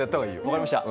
分かりました。